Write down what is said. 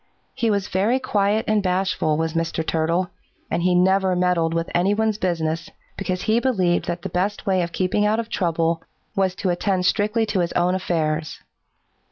He was very quiet and bashful, was Mr. Turtle, and he never meddled with any one's business, because he believed that the best way of keeping out of trouble was to attend strictly to his own affairs.